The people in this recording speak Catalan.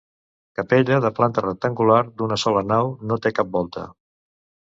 Capella de planta rectangular, d'una sola nau, no té cap volta.